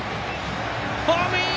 ホームイン！